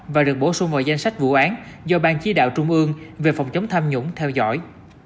và được bổ sung vào danh sách vụ án do ban chỉ đạo trung ương về phòng chống tham nhũng theo dõi